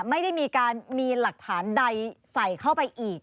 ไม่ได้มีการมีหลักฐานใดใส่เข้าไปอีก